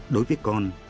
đối với con